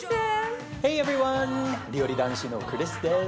料理男子のクリスです。